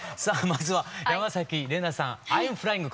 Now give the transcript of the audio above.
まずは山玲奈さん「アイム・フライング」